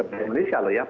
dari indonesia loh ya